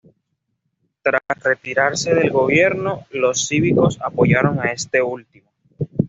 Tras retirarse del gobierno, los cívicos apoyaron a este último.